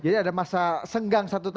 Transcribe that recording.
jadi ada masa senggang satu tahun